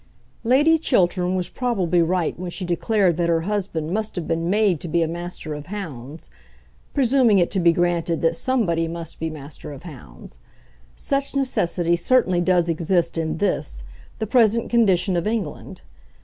Lady Chiltern was probably right when she declared that her husband must have been made to be a Master of Hounds, presuming it to be granted that somebody must be Master of Hounds. Such necessity certainly does exist in this, the present condition of England.